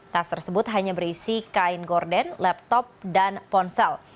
tas tersebut hanya berisi kain gorden laptop dan ponsel